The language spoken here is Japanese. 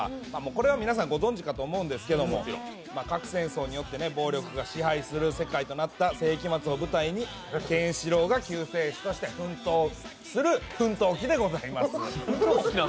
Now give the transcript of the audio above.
これは皆さんご存じかと思いますが核戦争によって暴力が支配する世界となった世紀末を舞台にケンシロウが救世主として奮闘する奮闘記でございます。